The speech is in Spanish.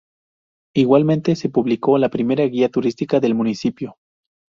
Igualmente se publicó la primera guía turística del municipio.